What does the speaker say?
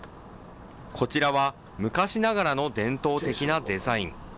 こちらは、昔ながらの伝統的なデザイン。